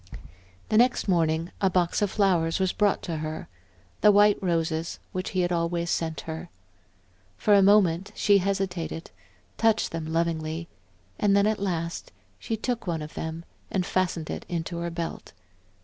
The next morning, a box of flowers was brought to her; the white roses which he had always sent her. For a moment she hesitated, touched them lovingly, and then at last she took one of them and fastened it in her belt.